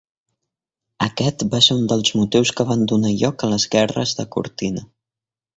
Aquest va ser un dels motius que van donar lloc a les Guerres de Cortina.